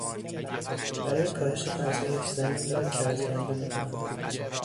برای کاهش فرسایش، زمین را کرتبندی میکنند